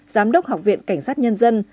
giám đốc học viện cảnh sát nhân dân